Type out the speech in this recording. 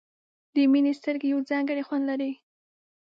د مینې سترګې یو ځانګړی خوند لري.